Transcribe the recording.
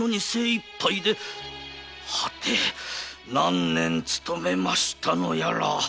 はて何年勤めましたやら。